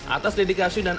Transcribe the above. atas dedikasi dan